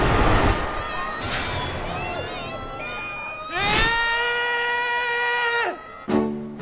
え！？